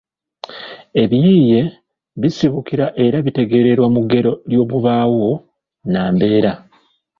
ebiyiiye bisibukira era bitegeererwa mu ggero ly’obubaawo nnambeera